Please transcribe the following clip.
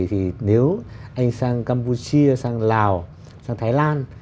thì nếu anh sang campuchia sang lào sang thái lan